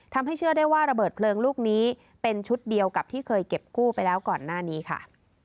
เชื่อได้ว่าระเบิดเพลิงลูกนี้เป็นชุดเดียวกับที่เคยเก็บกู้ไปแล้วก่อนหน้านี้ค่ะ